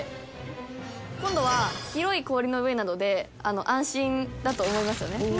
「今度は広い氷の上なので安心だと思いますよね」